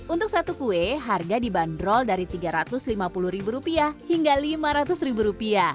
untuk satu kue harga dibanderol dari rp tiga ratus lima puluh hingga rp lima ratus